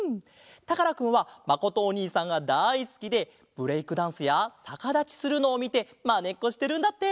たからくんはまことおにいさんがだいすきでブレイクダンスやさかだちするのをみてまねっこしてるんだって！